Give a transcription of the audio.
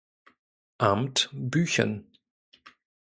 Amt Büchen